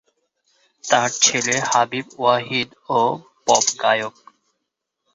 তার ছেলে হাবিব ওয়াহিদ ও পপ গায়ক।